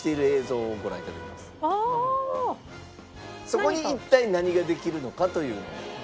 そこに一体何ができるのかという。